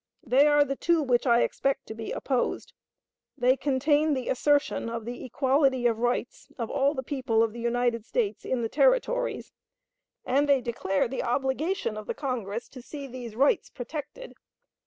They are the two which I expect to be opposed. They contain the assertion of the equality of rights of all the people of the United States in the Territories, and they declare the obligation of the Congress to see these rights protected.